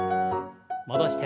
戻して。